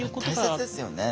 大切ですよね。